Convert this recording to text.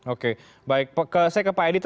oke baik saya ke pak edito